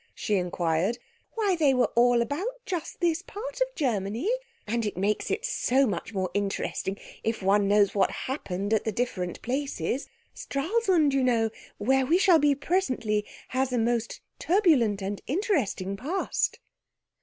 she inquired. "Why, they were all about just this part of Germany, and it makes it so much more interesting if one knows what happened at the different places. Stralsund, you know, where we shall be presently, has had a most turbulent and interesting past."